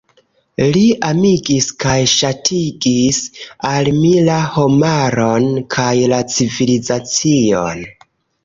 Li amigis kaj ŝatigis al mi la homaron kaj la civilizacion.